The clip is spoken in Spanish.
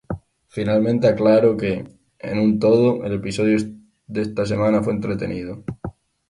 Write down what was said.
Finalmente, aclaró que "En un todo, el episodio de esta semana fue entretenido.